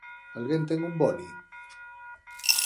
Alguén ten un boli?